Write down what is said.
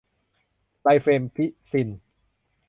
ไรแฟมพิซิน